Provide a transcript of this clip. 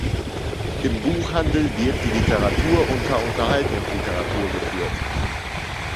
Im Buchhandel wird die Literatur unter Unterhaltungsliteratur geführt.